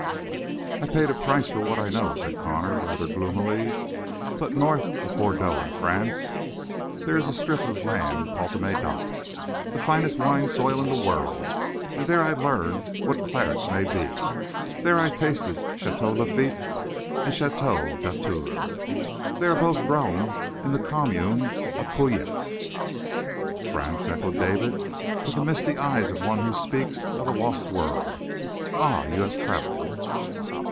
"I paid a price for what I know," said Connor rather gloomily. "But north of Bordeaux in France there is a strip of land called the Médoc the finest wine soil in the world, and there I learned what claret may be there I tasted Château Lafite and Château Datour. They are both grown in the commune of Pauillac." "France?" echoed David, with the misty eyes of one who speaks of a lost world. "Ah, you have traveled?"